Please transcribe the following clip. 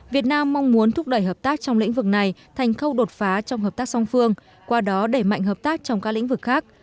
việt nam mong muốn thúc đẩy hợp tác trong lĩnh vực này thành khâu đột phá trong hợp tác song phương qua đó đẩy mạnh hợp tác trong các lĩnh vực khác